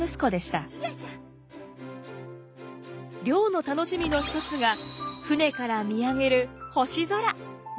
漁の楽しみの一つが船から見上げる星空。